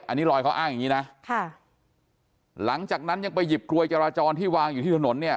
อันนี้รอยเขาอ้างอย่างงี้นะค่ะหลังจากนั้นยังไปหยิบกลวยจราจรที่วางอยู่ที่ถนนเนี่ย